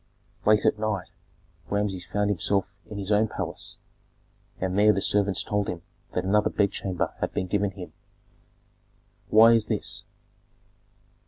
Late at night Rameses found himself in his own palace, and there the servants told him that another bedchamber had been given him. "Why is this?"